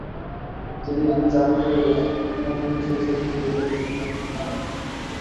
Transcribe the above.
তিনি জাগরেবের comprehensive secondary বিদ্যালয় থেকে স্নাতক সম্পন্ন করেন।